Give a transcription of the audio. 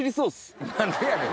何でやねん！